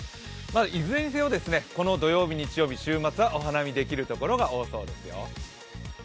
いずれにせよ、この土曜日、日曜日、週末はお花見できるところが多そうですよ。